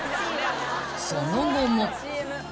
［その後も］